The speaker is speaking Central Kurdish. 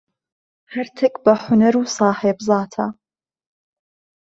هەرتک بە حونەر و ساحێب زاتە.